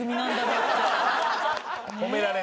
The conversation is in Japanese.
褒められて。